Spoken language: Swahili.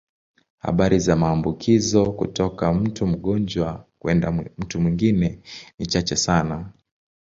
Habari za maambukizo kutoka mtu mgonjwa kwenda mtu mwingine ni chache sana.